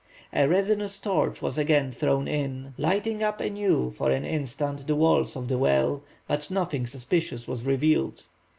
A resinous torch was again thrown in, lighting up anew for an instant the walls of the well, but nothing suspicions was revealed.